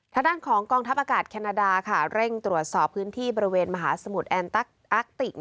ทางด้านของกองทัพอากาศแคนาดาค่ะเร่งตรวจสอบพื้นที่บริเวณมหาสมุทรแอนตั๊กอักติก